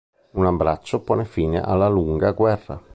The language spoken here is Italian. Un abbraccio pone fine alla lunga guerra.